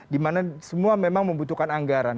di mana semua memang membutuhkan anggaran